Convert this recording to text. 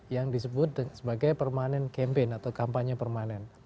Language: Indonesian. yang disebut sebagai permanent campaign atau kampanye permanen